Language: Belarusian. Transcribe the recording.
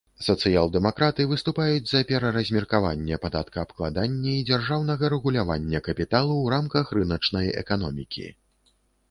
Сацыял-дэмакраты выступаюць за пераразмеркаванне падаткаабкладання і дзяржаўнага рэгулявання капіталу ў рамках рыначнай эканомікі.